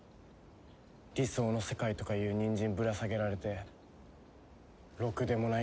理想の世界とかいうニンジンぶら下げられてろくでもない